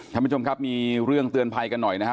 ท่านผู้ชมครับมีเรื่องเตือนภัยกันหน่อยนะฮะ